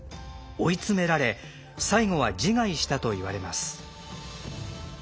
追い詰められ最後は自害したといわれます。